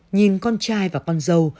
nhìn con trai và con dâu